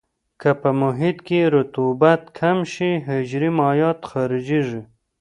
که په محیط کې رطوبت کم شي حجرې مایعات خارجيږي.